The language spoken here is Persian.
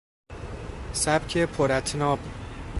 سبک پراطناب